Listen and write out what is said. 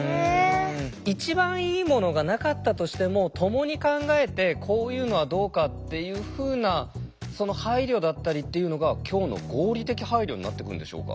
一番いいものがなかったとしても共に考えてこういうのはどうかっていうふうなその配慮だったりっていうのが今日の合理的配慮になってくるんでしょうか？